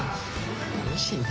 おいしいね。